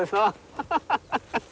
ハハハハハ！